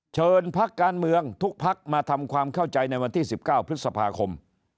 เชิญพักการเมืองทุกพักมาทำความเข้าใจในวันที่๑๙พฤษภาคม